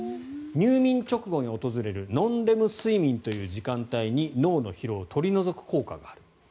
入眠直後に訪れるノンレム睡眠という時間帯に脳の疲労を取り除く効果がある。